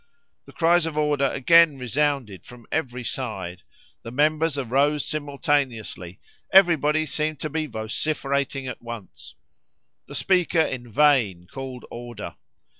The cries of order again resounded from every side; the members arose simultaneously; every body seemed to be vociferating at once. The speaker in vain called order.